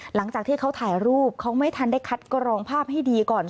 หลังจากที่เขาถ่ายรูปเขาไม่ทันได้คัดกรองภาพให้ดีก่อน